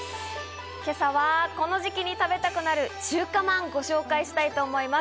今朝は、この時期に食べたくなる中華まんをご紹介したいと思います。